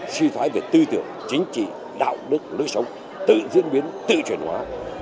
suy thoái về tư tưởng chính trị đạo đức lối sống tự diễn biến tự truyền hóa